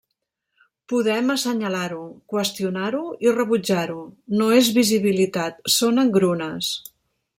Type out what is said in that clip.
Podem assenyalar-ho, qüestionar-ho i rebutjar-ho: no és visibilitat, són engrunes.